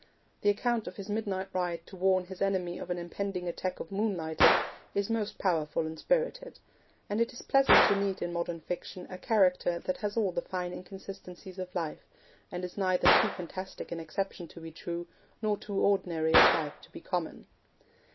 The account of his midnight ride to warn his enemy of an impending attack of Moonlighters is most powerful and spirited; and it is pleasant to meet in modern fiction a character that has all the fine inconsistencies of life, and is neither too fantastic an exception to be true, nor too ordinary a type to be common.